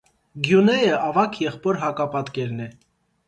Գյունեյը ավագ եղբոր հակապատկերն է։